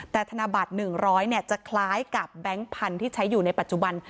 แต่ธนบัตร๑๐๐จะคล้ายกับแบงค์พันธุ์ที่ใช้อยู่ในปัจจุบัน